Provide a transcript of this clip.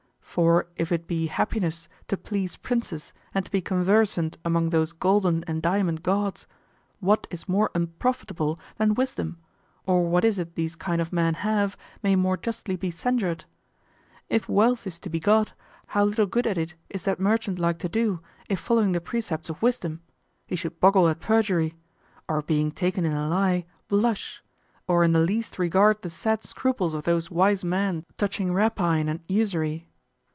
For if it be happiness to please princes and to be conversant among those golden and diamond gods, what is more unprofitable than wisdom, or what is it these kind of men have, may more justly be censured? If wealth is to be got, how little good at it is that merchant like to do, if following the precepts of wisdom, he should boggle at perjury; or being taken in a lie, blush; or in the least regard the sad scruples of those wise men touching rapine and usury.